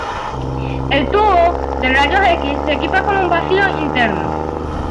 El tubo de rayos X se equipa con un vacío interno.